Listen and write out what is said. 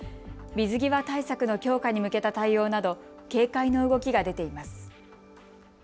水際対策の強化に向けた対応など警戒の動きが出ています。